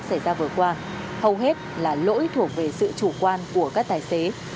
xảy ra vừa qua hầu hết là lỗi thuộc về sự chủ quan của các tài xế